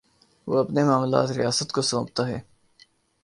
وہ اپنے معاملات ریاست کو سونپتا ہے۔